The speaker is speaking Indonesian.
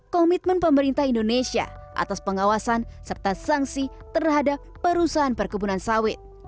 komitmen pemerintah indonesia atas pengawasan serta sanksi terhadap perusahaan perkebunan sawit